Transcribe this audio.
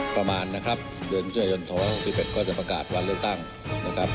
ประมาณนะครับเดือนมิถุนายน๒๖๑ก็จะประกาศวันเลือกตั้งนะครับ